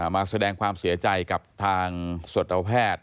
มาแสดงความเสียใจกับทางสัตวแพทย์